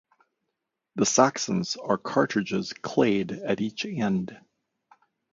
The Saxons are cartridges clayed at each end.